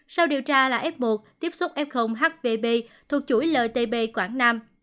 sau điều tra là f một tiếp xúc f hvb thuộc chuỗi ltb quảng nam